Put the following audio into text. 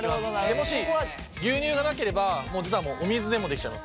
もし牛乳がなければもう実はお水でもできちゃいます。